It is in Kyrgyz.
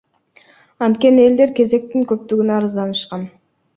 Анткени элдер кезектин көптүгүнө арызданышкан.